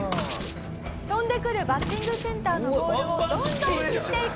飛んでくるバッティングセンターのボールをどんどん斬っていく。